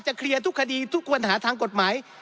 เคลียร์ทุกคดีทุกคนหาทางกฎหมาย